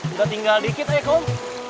udah tinggal dikit eh kum